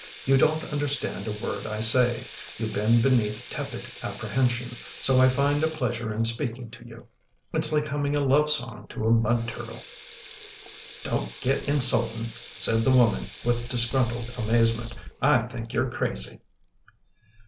You don't understand a word I say — you bend beneath tepid apprehension, so I find a pleasure in speaking to you — its like humming a love song to a mud turtle." " Don't get insultin', " said the woman with dis gruntled amazement. " I think you're crazy."